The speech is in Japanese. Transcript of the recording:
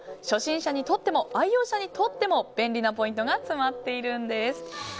初心者にとっても愛用者にとっても便利なポイントが詰まっているんです。